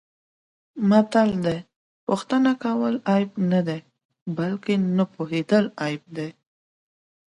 متل دی: پوښتنه کول عیب نه، بلکه نه پوهېدل عیب دی.